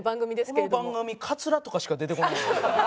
この番組カツラとかしか出てこないんで。